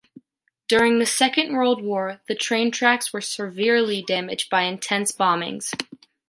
During the Second World War, the train tracks were severely damaged by intense bombings.